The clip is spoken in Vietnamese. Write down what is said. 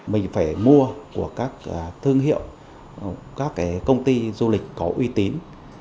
mình phải mua của các thương hiệu các cái công ty du lịch có uy tín